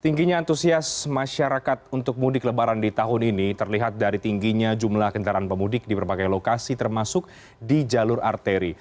tingginya antusias masyarakat untuk mudik lebaran di tahun ini terlihat dari tingginya jumlah kendaraan pemudik di berbagai lokasi termasuk di jalur arteri